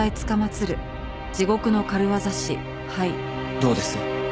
どうです？